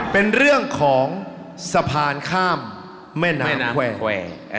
เป็นเรื่องของสะพานข้ามแม่น้ำแคว่า